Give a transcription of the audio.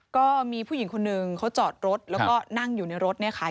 ก็มีผู้หญิงคนหนึ่งเขาจอดรถแล้วก็นั่งอยู่ในรถเนี่ยค่ะ